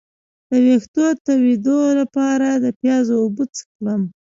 د ویښتو تویدو لپاره د پیاز اوبه څه کړم؟